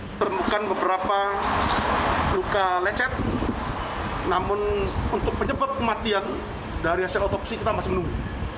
kita temukan beberapa luka lecet namun untuk penyebab kematian dari hasil otopsi kita masih menunggu